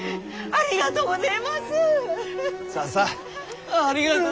ありがとうごぜえます。